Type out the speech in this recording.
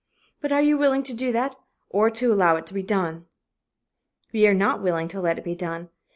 "But are you willing to do that or to allow it to be done?" We are not willing to let it be done.